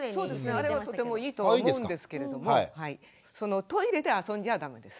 あれはとてもいいと思うんですけれどもトイレで遊んじゃ駄目です。